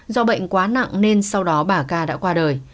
do bệnh quá nặng nên sau đó bà ca đã qua đời